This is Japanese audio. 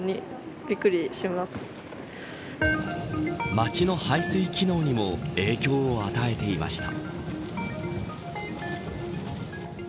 町の排水機能にも影響を与えていました。